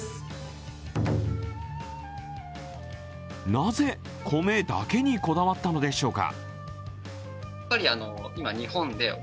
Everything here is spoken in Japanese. なぜ、米だけにこだわったのでしょうか？